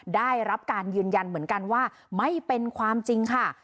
ได้รับการยืนยันเหมือนกันว่าไม่เป็นความจริงค่ะ